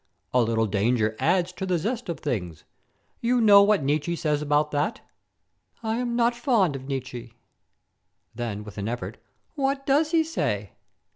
"A little danger adds to the zest of things. You know what Nietzsche says about that." "I am not fond of Nietzsche." Then, with an effort: "What does he say?"